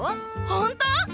ホント！？